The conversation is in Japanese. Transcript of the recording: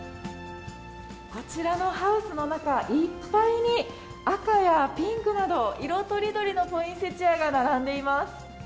こちらのハウスの中いっぱいに、赤やピンクなど、色とりどりのポインセチアが並んでいます。